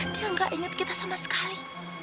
dia enggak inget kita sama sekali